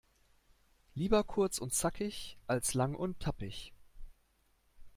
Lieber kurz und zackig als lang und tappig.